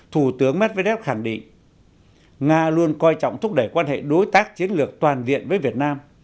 thủ tướng medvedev khẳng định nga luôn coi trọng thúc đẩy quan hệ đối tác chiến lược toàn diện với việt nam